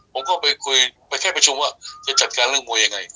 ผมก็ไปคุยไปแค่ประชุมว่าจะจัดการเรื่องมวยยังไง